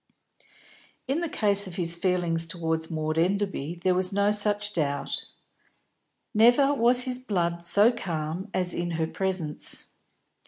In the case of his feeling towards Maud Enderby there was no such doubt. Never was his blood so calm as in her presence.